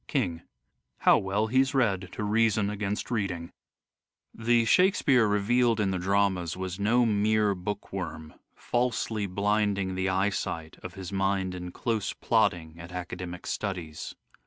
King : How well he's read to reason against reading." The Shakespeare revealed in the dramas was no mere book worm " falsely blinding the eyesight " of his mind in close plodding at academic studies.